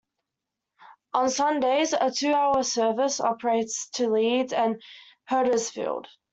On Sundays, a two-hourly service operates to Leeds and Huddersfield.